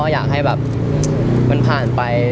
อยากให้แบบมันผ่านไป